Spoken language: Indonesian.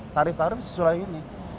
tarif tarif sesuai ini